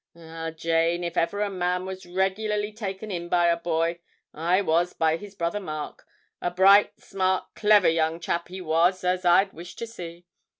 Ah, Jane, if ever a man was regularly taken in by a boy, I was by his brother Mark a bright, smart, clever young chap he was as I'd wish to see.